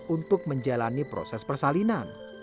untuk menjalani proses persalinan